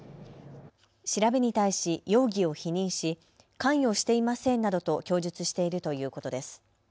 調べに対し容疑を否認し関与していませんなどと供述しているということです。